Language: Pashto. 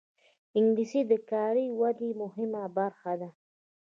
انګلیسي د کاري ودې مهمه برخه ده